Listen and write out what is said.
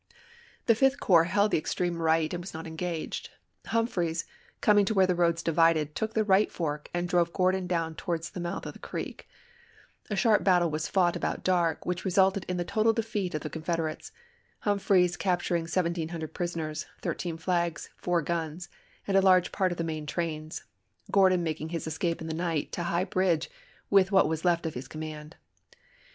The Fifth Corps held the extreme right and was not engaged. Humphreys, coming to where the roads divided, took the right fork and drove Cordon down towards the mouth of the creek. A sharp battle was fought about APPOMATTOX 187 dark, which resulted in the total defeat of the chap. ix. Confederates, Humphreys capturing 1700 prisoners, Hum 13 flags, 4 guns, and a large part of the main trains ;•« tL8' Gordon making his escape in the night to High Ca^i^n Bridge with what was left of his command.